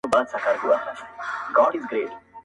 که سره وژنئ که نه، ماته چي زکات راوړئ,